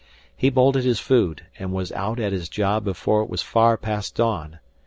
He bolted his food and was out at his job before it was far past dawn.